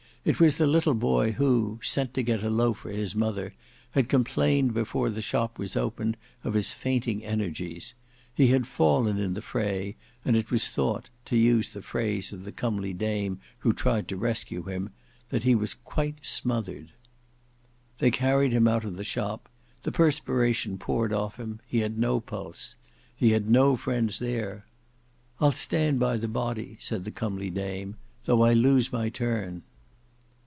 It was the little boy who, sent to get a loaf for his mother, had complained before the shop was opened of his fainting energies. He had fallen in the fray, and it was thought, to use the phrase of the comely dame who tried to rescue him, "that he was quite smothered." They carried him out of the shop; the perspiration poured off him; he had no pulse. He had no friends there. "I'll stand by the body," said the comely dame, "though I lose my turn."